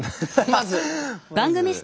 まず。